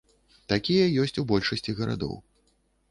Такія ёсць у большасці гарадоў.